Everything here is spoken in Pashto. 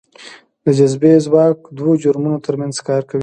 د جاذبې ځواک دوو جرمونو ترمنځ کار کوي.